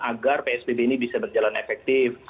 agar psbb ini bisa berjalan efektif